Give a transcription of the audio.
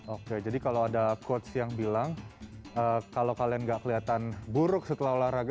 oke jadi kalau ada coach yang bilang kalau kalian gak kelihatan buruk setelah olahraga